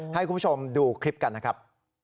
ให้คุณผู้ชมดูคลิปกันนะครับ